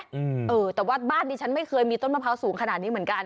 เออแต่ว่าบ้านนี้ฉันไม่เคยมีต้นมะพร้าวสูงขนาดนี้เหมือนกัน